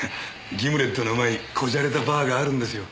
ギムレットのうまいこじゃれたバーがあるんですよ。